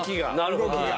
動きが。